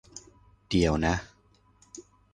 เดี๋ยวนะ !